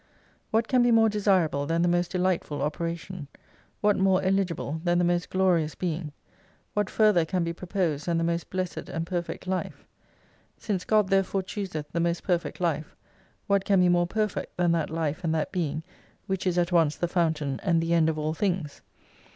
What can be more desirable than the most delightful operation ; what more eligible, than the most glorious being ; what further can be proposed than the most blessed and perfect life ? Since God therefore chooseth the most perfect life, what can be more perfect than that life and that Being which is at once the Fountain, and the End of all things